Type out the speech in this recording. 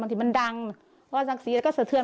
บางทีมันดังเพราะว่าสักสีก็สะเทือน